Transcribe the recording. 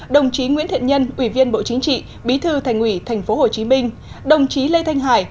đồng chí nguyễn thiện nhân ủy viên bộ chính trị bí thư thành ủy tp hcm đồng chí lê thanh hải